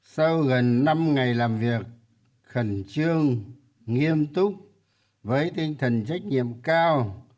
sau gần năm ngày làm việc khẩn trương nghiêm túc với tinh thần trách nhiệm cao